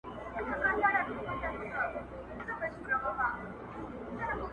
جانانه تانه به څــــــــوک غــــــواړي د کالو ملــــــګري